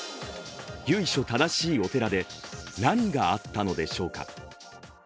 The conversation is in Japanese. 由緒正しいお寺で何があったのでしょうか。